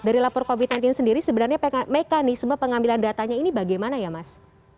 dari lapor covid sembilan belas sendiri sebenarnya mekanisme pengambilan datanya ini bagaimana ya mas